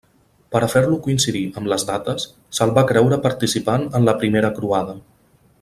Per a fer-lo coincidir amb les dates, se'l va creure participant en la Primera Croada.